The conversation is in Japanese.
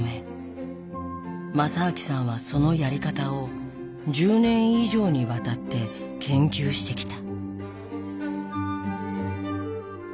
正明さんはそのやり方を１０年以上にわたって研究してきた。